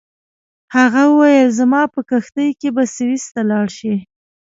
هغه وویل زما په کښتۍ کې به سویس ته لاړ شې.